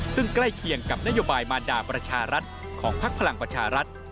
ซึ่งใกล้เคียงกับนโยบายมารดาประชารัฐของพักพลังประชารัฐ